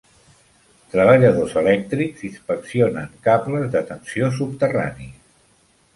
Treballadors elèctrics inspeccionen cables de tensió subterranis.